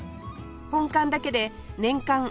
本館だけで年間